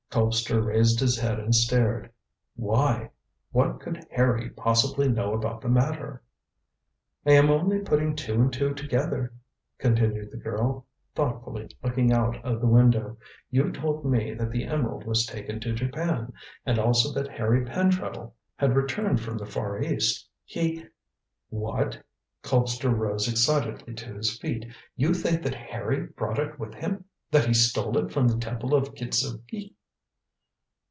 Colpster raised his head and stared. "Why? What could Harry possibly know about the matter?" "I am only putting two and two together," continued the girl, thoughtfully looking out of the window. "You told me that the emerald was taken to Japan, and also that Harry Pentreddle had returned from the Far East. He " "What?" Colpster rose excitedly to his feet. "You think that Harry brought it with him; that he stole it from the Temple of Kitzuki?"